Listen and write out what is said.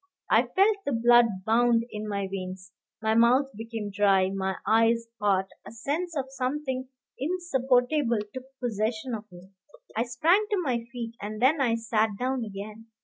I felt the blood bound in my veins, my mouth became dry, my eyes hot; a sense of something insupportable took possession of me. I sprang to my feet, and then I sat down again.